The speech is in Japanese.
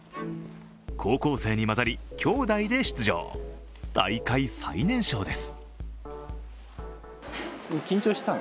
高校生に混ざり、きょうだいで出場大会最年少です。